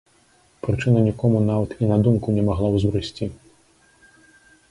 Прычына нікому нават і на думку не магла ўзбрысці.